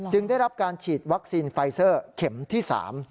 ได้รับการฉีดวัคซีนไฟเซอร์เข็มที่๓